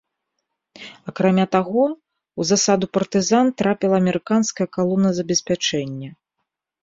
Акрамя таго, у засаду партызан трапіла амерыканская калона забеспячэння.